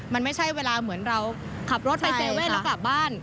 มันไม่ใช่เวลาเหมือนเราขับรถไป๗๑๑แล้วกลับบ้าน